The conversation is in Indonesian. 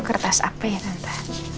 kertas apa ya tante